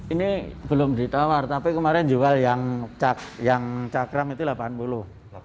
ini belum ditawar tapi kemarin jual yang cakram itu rp delapan puluh